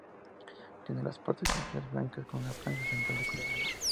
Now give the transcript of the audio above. Tiene las partes inferiores blancas con una franja central de color negro.